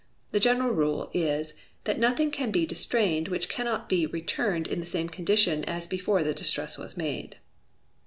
The general rule is, that nothing can be distrained which cannot be returned in the same condition as before the distress was made.